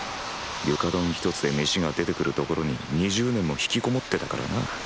床ドン一つで飯が出てくるところに２０年も引きこもってたからな。